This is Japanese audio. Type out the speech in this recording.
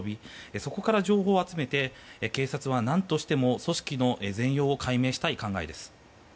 そこから情報を集めて警察は何としても組織の全容を解明したい考えです。